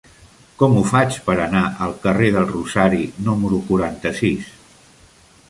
Com ho faig per anar al carrer del Rosari número quaranta-sis?